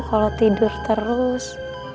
kalo tidur terus